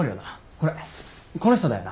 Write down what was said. これこの人だよな？